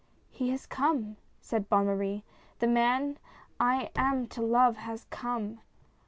" He has come !" said Bonne Marie. " The man I am to love has come